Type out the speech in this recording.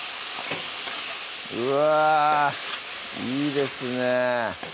うわいいですね